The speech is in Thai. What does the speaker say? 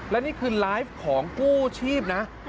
และนี่คือไลฟ์ของกู้ชีพนะ